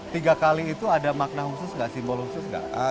tiga kali itu ada makna khusus nggak simbol khusus nggak